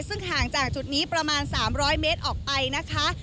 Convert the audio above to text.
ซึ่งห่างจากจุดนี้ประมาณ๓๐๐เมตรออกไปนะคะ